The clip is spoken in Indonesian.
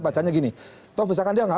bacanya begini misalkan dia